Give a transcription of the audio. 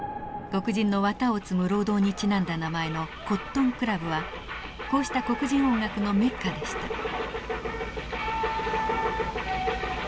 黒人の綿を摘む労働にちなんだ名前のコットン・クラブはこうした黒人音楽のメッカでした。